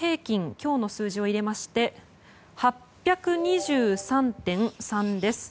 今日の数字を入れまして８２３．３です。